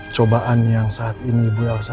cobaan yang saat ini ibu elsa